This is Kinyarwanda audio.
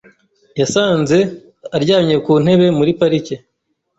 Yasanze aryamye ku ntebe muri parike.